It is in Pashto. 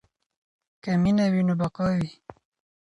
که مینه وي نو بقا وي.